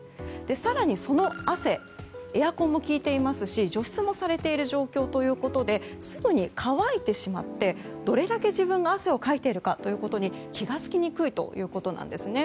更に、その汗はエアコンも効いていますし除湿もされている状況ということですぐに乾いてしまってどれだけ自分が汗をかいているかに気が付きにくいということです。